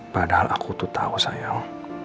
padahal aku tuh tahu sayang